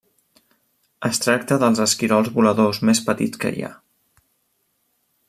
Es tracta dels esquirols voladors més petits que hi ha.